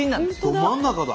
ど真ん中だ。